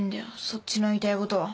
そっちの言いたいことは。